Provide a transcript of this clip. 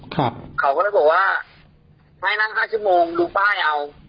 เขาก็เลยบอกว่าให้นั่ง๕ชั่วโมงลูกป้ายเอา